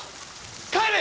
帰れ！